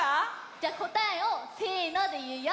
じゃこたえを「せの」でいうよ！